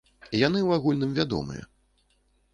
Яны ў агульным вядомыя.